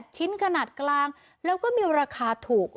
ชิ้นขนาดกลางแล้วก็มีราคาถูก